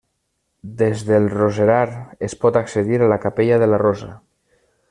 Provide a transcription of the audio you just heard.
Des del roserar es pot accedir a la Capella de la Rosa.